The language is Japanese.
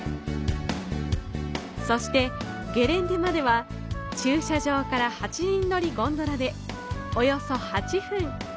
そしてゲレンデまでは、駐車場から８人乗りゴンドラで約８分。